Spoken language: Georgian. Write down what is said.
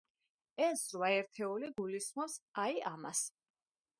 ეს რვა ერთეული გულისხმობს, აი, ამას.